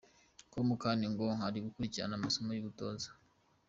com kandi ko ari gukurikirana amasomo y’ubutoza.